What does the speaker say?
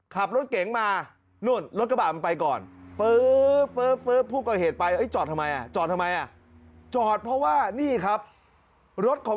ขับรถเก๋งมานู่นรถกระบาดมันไปก่อน